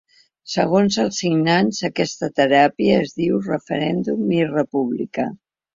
Segons els signants, aquesta teràpia es diu referèndum i república.